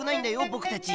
ぼくたち！